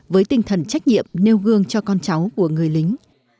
với tinh thần trách nhiệm nêu gương cho con cháu của người lính